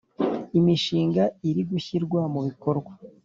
imishinga iri gushyirwa mu bikorwa